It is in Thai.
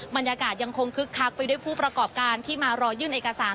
บรรยากาศยังคงคึกคักไปด้วยผู้ประกอบการที่มารอยื่นเอกสาร